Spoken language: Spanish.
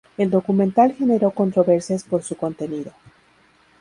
El documental generó controversias por su contenido.